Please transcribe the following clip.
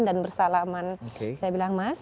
dan bersalaman saya bilang mas